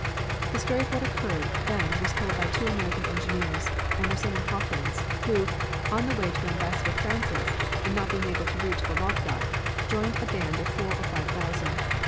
The story of what occurred then was told by two American engineers, Emerson and Hawkins, who, on the way to Ambassador Francis, and not being able to reach Vologda, joined a band of four or five thousand.